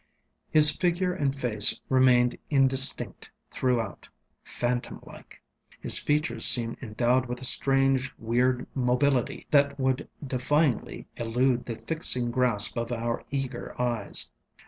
His figure and face remained indistinct throughoutŌĆöphantom like. His features seemed endowed with a stronge weird mobility that would defyingly elude the fixing grasp of our eager eyes.